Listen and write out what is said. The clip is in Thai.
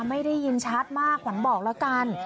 ไม่ได้ยินชัดมากขวัญบอกแล้วกัน